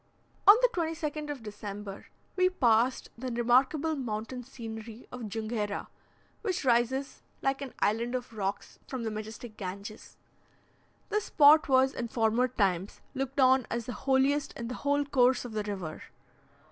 On the 22nd of December, we passed the remarkable mountain scenery of Junghera, which rises, like an island of rocks, from the majestic Ganges. This spot was, in former times, looked on as the holiest in the whole course of the river.